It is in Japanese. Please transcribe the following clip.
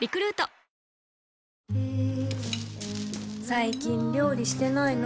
最近料理してないの？